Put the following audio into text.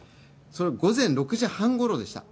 午前６時半ごろでした。